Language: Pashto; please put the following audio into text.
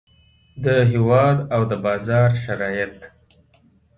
د هیواد او د بازار شرایط.